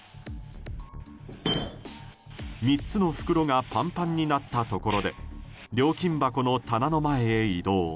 ３つの袋がパンパンになったところで料金箱の棚の前へ移動。